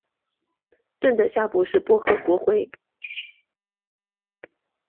盾的下部是波赫国徽。